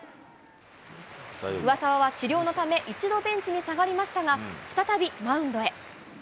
上沢は治療のため、一度ベンチに下がりましたが、再びマウンドへ。